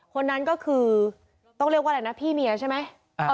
คนนั้นก็คือต้องเรียกว่าอะไรนะพี่เมียใช่ไหม